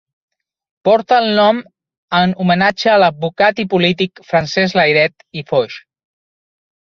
Porta el nom en homenatge a l'advocat i polític Francesc Layret i Foix.